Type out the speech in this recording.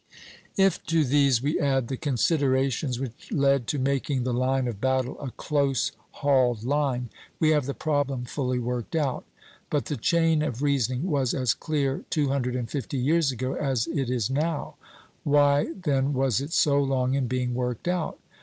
If to these we add the considerations which led to making the line of battle a close hauled line, we have the problem fully worked out. But the chain of reasoning was as clear two hundred and fifty years ago as it is now; why then was it so long in being worked out?